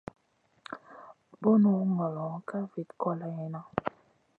Bunu ŋolo ka vit kòleyna.